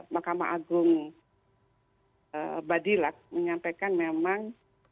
mahkamah agung badilak menyampaikan memang